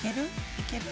いける？